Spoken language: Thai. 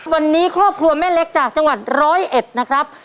วันนี้ครอบครัวแม่เล็กจากจังหวัดร้อยเอ็ดนะครับ